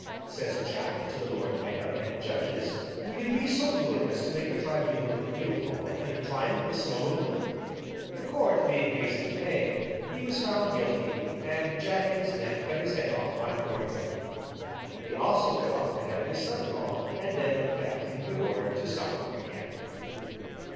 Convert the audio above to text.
Says Jack to the Lord Mayor and judges: 'Will you be so good as to make a tribunal in Guildhall, and try me this nobleman?' The court being hastily made, he was found guilty, and Jack and his men cut his head off on Cornhill. They also cut off the head of his son in law, and then went back in good order to Southwark again.